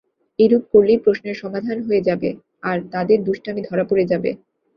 এইরূপ করলেই প্রশ্নের সমাধান হয়ে যাবে, আর তাদের দুষ্টামি ধরা পড়ে যাবে।